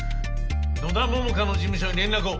野田桃花の事務所に連絡を。